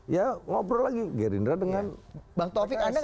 ya ngobrol lagi gerindra dengan